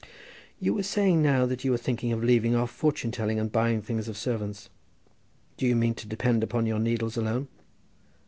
"You were saying now that you were thinking of leaving off fortune telling and buying things of servants. Do you mean to depend upon your needles alone?"